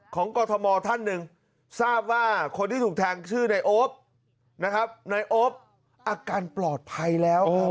กรทมท่านหนึ่งทราบว่าคนที่ถูกแทงชื่อนายโอ๊ปนะครับนายโอ๊ปอาการปลอดภัยแล้ว